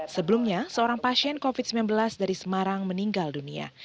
sebelumnya seorang pasien covid sembilan belas dari semarang meninggal dunia